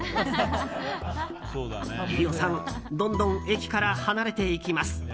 飯尾さん、どんどん駅から離れていきます。